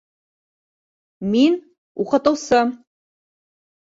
— Мин — уҡытыусы.